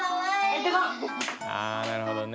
あなるほどね。